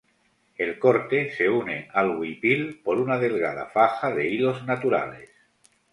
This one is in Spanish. El corte se une al huipil por una delgada faja de hilos naturales.